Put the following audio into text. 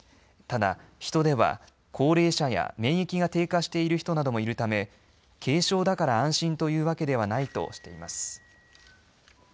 ただ、ヒトでは高齢者や免疫が低下している人などもいるため軽症だから安心というわけではないとしています。